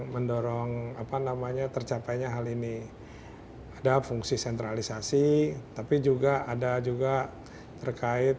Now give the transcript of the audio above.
mendorong apa namanya tercapainya hal ini ada fungsi sentralisasi tapi juga ada juga terkait